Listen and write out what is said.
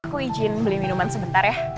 aku izin beli minuman sebentar ya